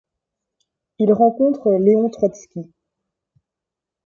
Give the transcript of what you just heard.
Il rencontre Léon Trotsky.